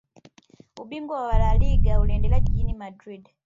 Ubingwa wa laliga ulienda jiji la madrid